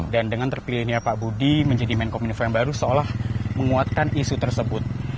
dan dengan terpilihnya pak budi menjadi menkominfo yang baru seolah menguatkan isu tersebut